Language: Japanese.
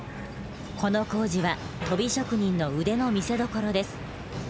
この工事はとび職人の腕の見せどころです。